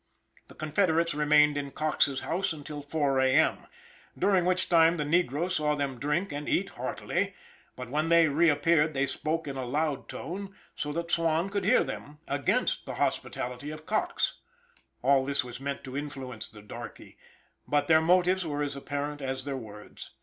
The confederates remained in Coxe's house till 4 A. M., during which time, the negro saw them drink and eat heartily; but when they reappeared they spoke in a loud tone, so that Swan could hear them, against the hospitality of Coxe. All this was meant to influence the darkey; but their motives were as apparent as their words.